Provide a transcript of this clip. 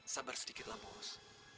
sabar sedikitlah bos